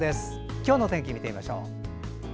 今日の天気、見てみましょう。